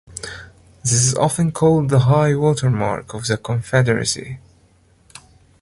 This is often called the High water mark of the Confederacy.